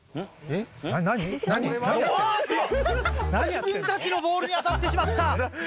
自分たちのボールに当たってしまった。